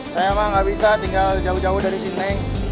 saya emang nggak bisa tinggal jauh jauh dari sini